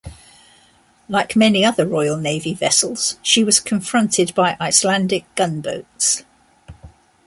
Like many other Royal Navy vessels, she was confronted by Icelandic gunboats.